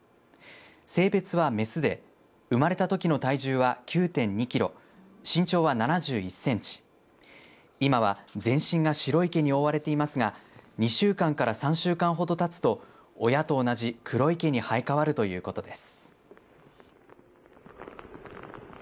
性別は雌で生まれたときの体重は９．２キロ身長は７１センチ今は全身が白い毛に覆われていますが２週間から３週間ほどたつと親と同じ黒い毛に生え変わるということです。